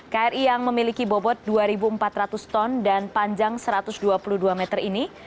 kri yang memiliki bobot dua empat ratus ton dan panjang satu ratus dua puluh dua meter ini